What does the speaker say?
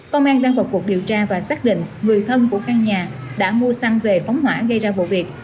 công an đang vào cuộc điều tra và xác định người thân của căn nhà đã mua xăng về phóng hỏa gây ra vụ việc